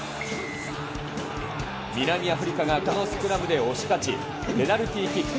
南アフリカがのスクラムで押し勝ち、ペナルティーキック。